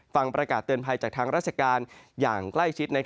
ฟังประกาศเตือนภัยจากทางราชการอย่างใกล้ชิด